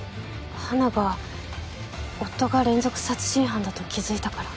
花が夫が連続殺人犯だと気づいたから。